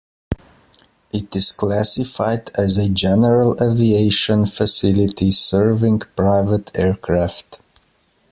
It is classified as a general aviation facility serving private aircraft.